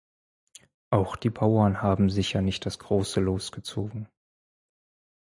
Auch die Bauern haben sicher nicht das große Los gezogen.